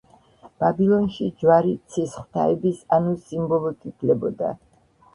ბაბილონში ჯვარი ცის ღვთაების, ანუს სიმბოლოდ ითვლებოდა.